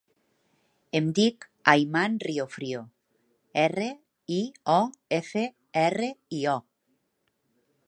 Em dic Ayman Riofrio: erra, i, o, efa, erra, i, o.